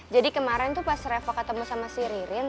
jadi kemarin tuh pas reva ketemu sama si ririn